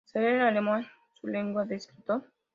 Será el alemán su lengua de escritor.